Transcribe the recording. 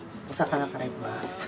お魚からいきます。